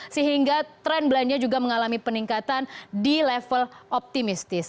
sehingga trend belanjanya juga mengalami peningkatan di level optimistis